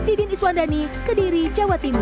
eka rima didin iswandani kediri jawa timur